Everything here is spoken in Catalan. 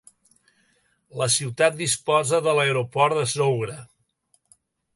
La ciutat disposa de l'aeroport de Zougra.